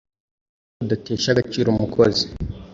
buryo budatesha agaciro umukozi